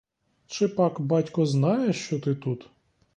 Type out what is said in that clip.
Чи пак батько знає, що ти тут?